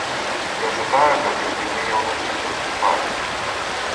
Я чытаю гэта, і ў мяне ўнутры ўсё закіпае.